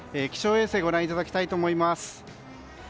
気象衛星をご覧いただきたいと思います。